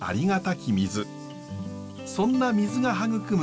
そんな水が育む